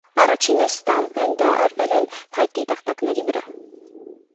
Առաջին էստամպները արվել են փայտի տախտակների վրա։